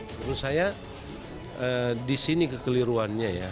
menurut saya disini kekeliruannya ya